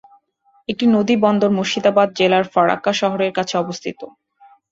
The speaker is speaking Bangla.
একটি নদী বন্দর মুর্শিদাবাদ জেলার ফারাক্কা শহরের কাছে অবস্থিত।